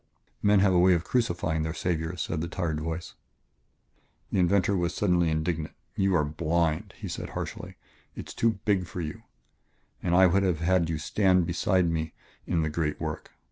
"Men have a way of crucifying their saviors," said the tired voice. The inventor was suddenly indignant. "You are blind," he said harshly; "it is too big for you. And I would have had you stand beside me in the great work....